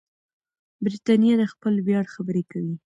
برتانیه د خپل ویاړ خبرې کوي.